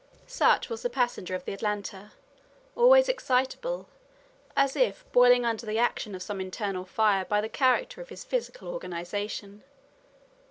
Such was the passenger of the Atlanta, always excitable, as if boiling under the action of some internal fire by the character of his physical organization.